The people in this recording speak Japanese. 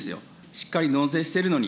しっかり納税してるのに。